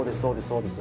そうです